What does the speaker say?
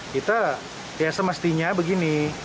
kita semestinya begini